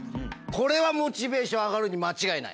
これはモチベーション上がるに間違いない。